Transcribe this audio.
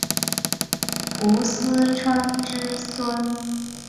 斛斯椿之孙。